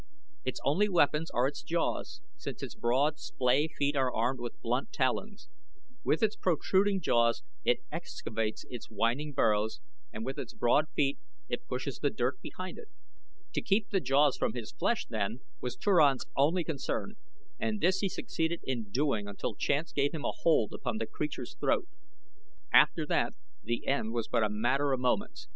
Its only weapons are its jaws since its broad, splay feet are armed with blunt talons. With its protruding jaws it excavates its winding burrows and with its broad feet it pushes the dirt behind it. To keep the jaws from his flesh then was Turan's only concern and this he succeeded in doing until chance gave him a hold upon the creature's throat. After that the end was but a matter of moments.